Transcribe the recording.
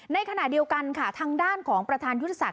ในขณะเดียวกันค่ะทางด้านของประธานยุทธศาส